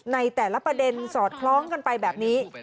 ในแต่ละประเด็นสอดคล้องกันไปแบบนี้